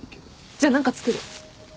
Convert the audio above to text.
じゃあ何か作る。